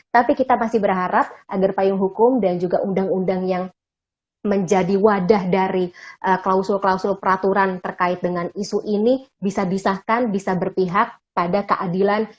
tapi kita masih berharap agar payung hukum dan juga undang undang yang menjadi wadah dari klausul klausul peraturan terkait dengan isu ini bisa disahkan bisa berpihak pada keadilan